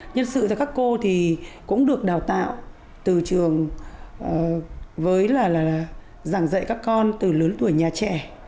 nhân sự tại các cô thì cũng được đào tạo từ trường với là giảng dạy các con từ lớn tuổi nhà trẻ